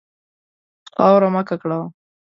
خاوره مه ککړوه.